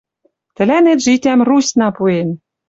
Тӹлӓнет житям Русьна пуэн